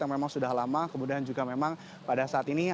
yang memang sudah lama kemudian juga memang pada saat ini